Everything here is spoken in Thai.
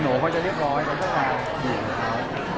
หนูเขาจะเรียบร้อยก็จะอยู่กับเขา